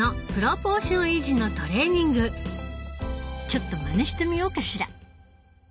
ちょっとまねしてみようかしら。